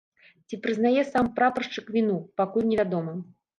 Ці прызнае сам прапаршчык віну, пакуль невядома.